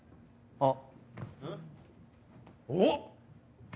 あっ！